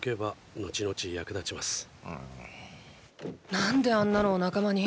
何であんなのを仲間に？